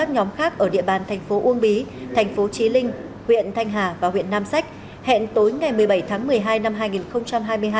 nhóm khác ở địa bàn thành phố uông bí thành phố trí linh huyện thanh hà và huyện nam sách hẹn tối ngày một mươi bảy tháng một mươi hai năm hai nghìn hai mươi hai